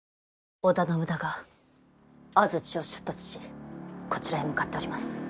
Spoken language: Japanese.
織田信長安土を出立しこちらへ向かっております。